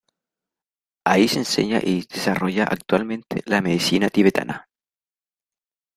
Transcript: Ahí se enseña y desarrolla actualmente la medicina tibetana.